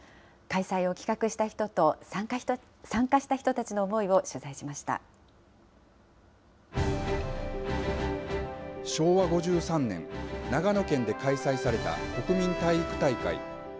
開催を企画した人と参加した人た昭和５３年、長野県で開催された国民体育大会。